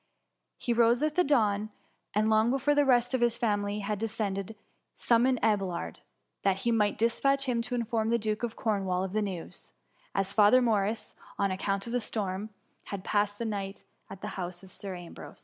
He rose with the dawn ; and, long before the rest of his family had descended, summoned Abelard, that he might dispatch him to inform the Duke of Cornwall of the news : as Father Morris, on account of the storm, had passed the night at the house of Sir Ambrose.